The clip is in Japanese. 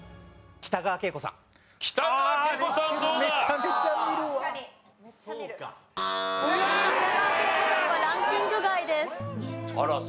北川景子さんはランキング外です。